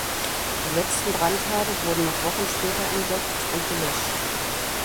Die letzten Brandherde wurden noch Wochen später entdeckt und gelöscht.